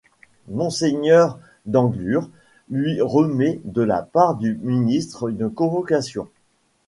Monseigneur d'Anglure lui remet de la part du ministre une convocation.